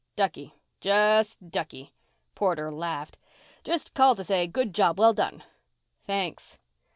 "Ducky. Just ducky." Porter laughed. "Just called to say, 'Good job well done.'" "Thanks."